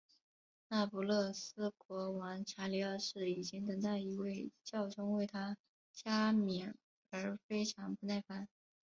那不勒斯国王查理二世已经等待一位教宗为他加冕而非常不耐烦。